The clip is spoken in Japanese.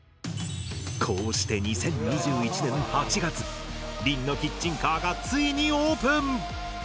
こうして２０２１年８月りんのキッチンカーがついにオープン！